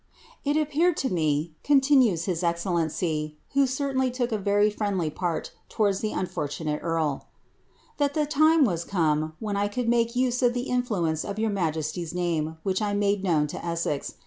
It appeared to me,'' continues his excellency, who certainly took a very friendly part towards the unfortunate earl, ^ that the time was come, when 1 could make use of the influence of your majesty's name, which I made known to Essex.